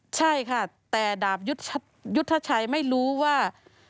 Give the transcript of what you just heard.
ใช่ค่ะแต่ดาบยุทธชัยไม่รู้ว่า